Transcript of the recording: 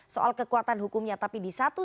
soal kekuatan hukumnya tapi di satu